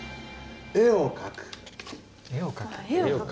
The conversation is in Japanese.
絵を描く？